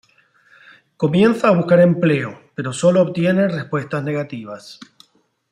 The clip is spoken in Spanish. Comienza a buscar empleo, pero solo obtiene respuestas negativas.